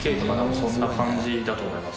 そんな感じだと思います